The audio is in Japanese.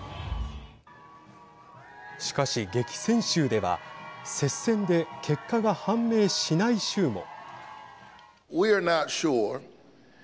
しかし激戦州では接戦で結果が判明しない州も。